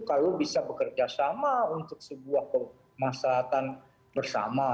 kalau bisa bekerja sama untuk sebuah pemasyaratan bersama